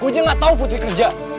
gue juga gak tau putri kerja